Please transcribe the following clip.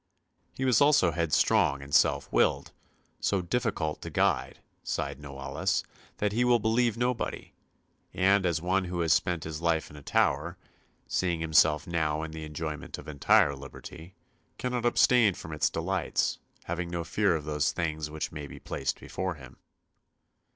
He was also headstrong and self willed, "so difficult to guide," sighed Noailles, "that he will believe nobody; and as one who has spent his life in a tower, seeing himself now in the enjoyment of entire liberty, cannot abstain from its delights, having no fear of those things which may be placed before him."